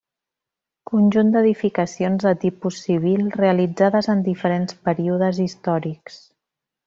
Conjunt d'edificacions de tipus civil realitzades en diferents períodes històrics.